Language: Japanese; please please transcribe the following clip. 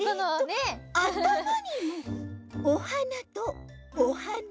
あたまにもおはなとおはな。